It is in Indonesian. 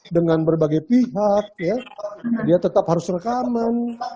dengan berbagai pihak dia tetap harus rekaman